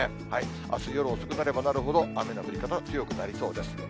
あす夜遅くなればなるほど、雨の降り方、強くなりそうです。